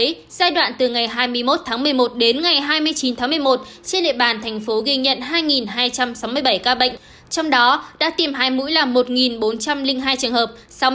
giai đoạn từ ngày hai mươi một tháng một mươi một đến ngày hai mươi chín tháng một mươi một trên địa bàn thành phố ghi nhận hai hai trăm sáu mươi bảy ca bệnh trong đó đã tiêm hai mũi là một bốn trăm linh hai trường hợp sáu mươi một tám